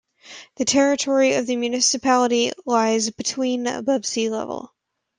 The territory of the municipality lies between above sea level.